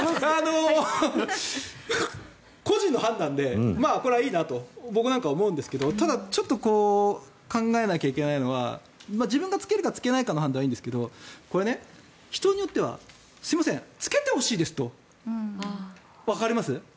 個人の判断でこれはいいなと僕なんかは思うんですがただ、ちょっと考えないといけないのは自分が着けるか着けないかの判断はいいんですが人によってはすみません、着けてほしいですとわかります？